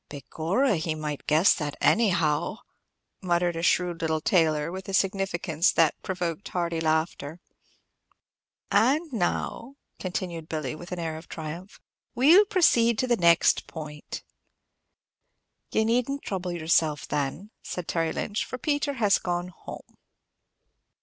"Begorra, he might guess that anyhow!" muttered a shrewd little tailor, with a significance that provoked hearty laughter. "And now," continued Billy, with an air of triumph, "we'll proceed to the next point." "Ye needn't trouble yerself then," said Terry Lynch, "for Peter has gone home."